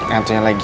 gak ada yang lagi